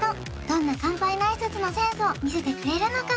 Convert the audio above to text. どんな乾杯のあいさつのセンスを見せてくれるのか？